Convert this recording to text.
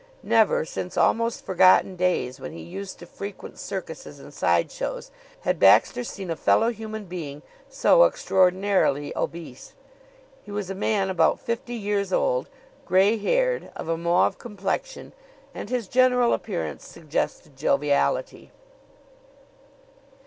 Never since almost forgotten days when he used to frequent circuses and side shows, had Baxter seen a fellow human being so extraordinarily obese. He was a man about fifty years old, gray haired, of a mauve complexion, and his general appearance suggested joviality.